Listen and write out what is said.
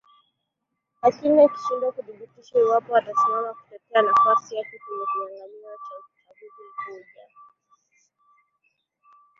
lakini akishindwa kuthibitisha iwapo atasimama kutetea nafasi yake kwenye kinyanganyiro cha uchaguzi mkuu ujao